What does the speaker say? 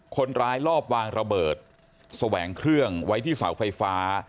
คนร้ายลอบวางระเบิดแสวงเครื่องไว้ที่เสาไฟฟ้า